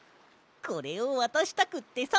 これをわたしたくってさ！